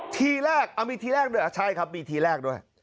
ทีแรกมีทีแรกด้วยเหรอใช่ครับมีทีแรกด้วย